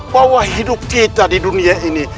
bahwa hidup kita di dunia ini